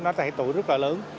nó tải tội rất là lớn